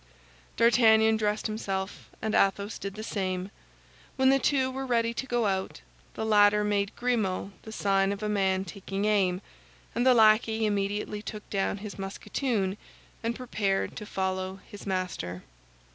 D'Artagnan dressed himself, and Athos did the same. When the two were ready to go out, the latter made Grimaud the sign of a man taking aim, and the lackey immediately took down his musketoon, and prepared to follow his master.